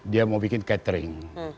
dia mau bikin catering